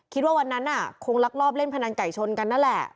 คิดว่าวันนั้นคงลักลอบเล่นพนันไก่ชนกันนั่นแหละ